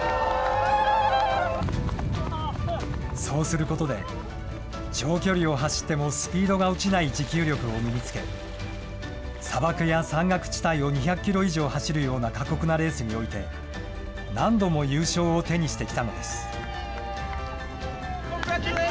そうすることで、長距離を走ってもスピードが落ちない持久力を身につけ、砂漠や山岳地帯を２００キロ以上走るような過酷なレースにおいて、何度も優勝を手にしてきたのです。